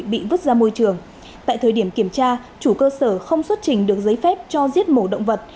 bị vứt ra môi trường tại thời điểm kiểm tra chủ cơ sở không xuất trình được giấy phép cho giết mổ động vật